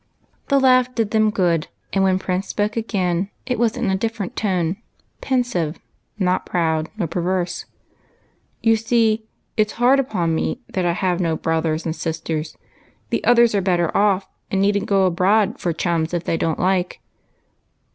The laugh did them good, and when Prince spoke again, it was in a different tone, — pensive, not proud nor perverse. " You see, it 's hard upon me that I have no brothers and sisters. The others are better off and need n't go abroad for chums if they don't like.